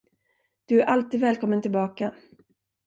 Du är alltid välkommen tillbaka.